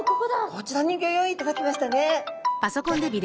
こちらにギョ用意いただきましたね。